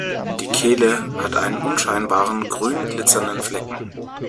Die Kehle hat einen unscheinbaren grün glitzernden Flecken.